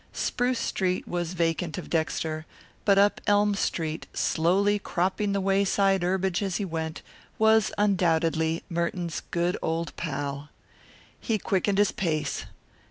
Spruce Street was vacant of Dexter, but up Elm Street, slowly cropping the wayside herbage as he went, was undoubtedly Merton's good old pal. He quickened his pace.